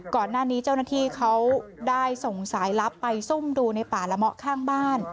ก่อนหน้านี้เจ้าหน้าที่เขาได้ส่งสายลับไปซุ่มดูในป่าละเมาะข้างบ้าน